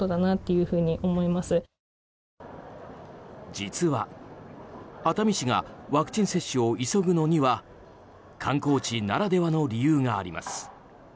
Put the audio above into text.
実は、熱海市がワクチン接種を急ぐのには観光地ならではの理由があります。